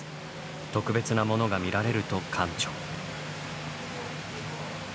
「特別なものが見られる」と館長。